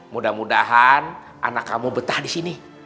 mudah mudahan anak kamu betah di sini